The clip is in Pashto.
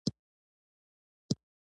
د برټانیې حکومت به د هغوی ساتنه وکړي.